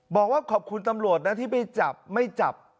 บอกว่าขอบคุณตำรวจนะที่ไปจับไม่จับ